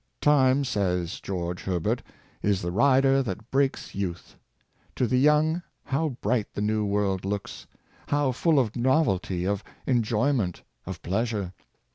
'' Time," says George Herbert, " is the rider that breaks youth." To the young, how bright the new world looks !— how full of novelty, of enjoyment, of pleasure!